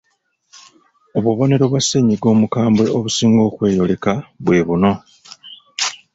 Obubonero bwa ssennyiga omukambwe obusinga okweyoleka bwe buno: